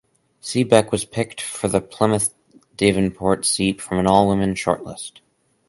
Seabeck was picked for the Plymouth Devonport seat from an all-women shortlist.